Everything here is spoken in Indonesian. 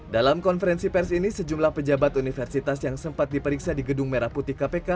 dalam konferensi pers ini sejumlah pejabat universitas yang sempat diperiksa di gedung merah putih kpk